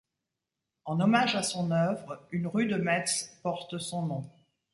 En hommage à son œuvre, une rue de Metz porte son nom.